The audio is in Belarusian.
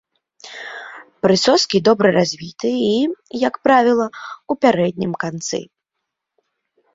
Прысоскі добра развіты і, як правіла, у пярэднім канцы.